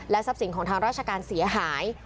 ทรัพย์สินของทางราชการเสียหาย